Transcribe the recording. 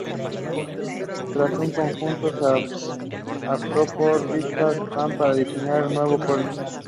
Tras un concurso, se optó por a Richard Sheppard para diseñar el nuevo college.